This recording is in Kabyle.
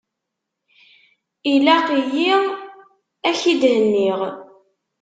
Ilaq-yi ad k-id-henniɣ.